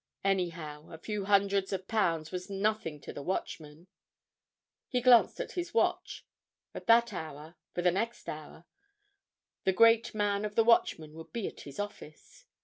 Anyhow, a few hundreds of pounds was nothing to the Watchman. He glanced at his watch. At that hour—for the next hour—the great man of the Watchman would be at the office.